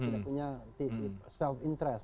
tidak punya self interest